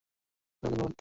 না, ধন্যবাদ!